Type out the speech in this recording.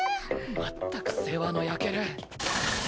まったく世話の焼ける。